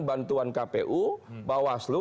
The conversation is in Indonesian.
bantuan kpu bawaslu